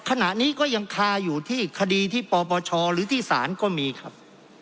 ขณะนี้ก็ยังคาอยู่ที่คดีที่ปปชหรือที่ศาลก็มีครับ